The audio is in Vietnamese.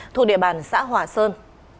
thuộc địa bàn xã hòa sơn